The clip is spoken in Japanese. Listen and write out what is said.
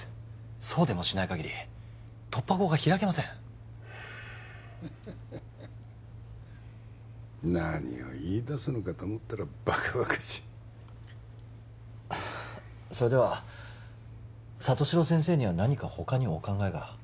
そうでもしないかぎり突破口が開けません何を言いだすのかと思ったらばかばかしいそれでは里城先生には何か他にお考えが？